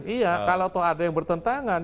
iya kalau ada yang bertentangan